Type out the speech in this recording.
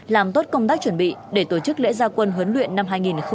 làm tốt công tác chuẩn bị để tổ chức lễ gia quân huấn luyện năm hai nghìn hai mươi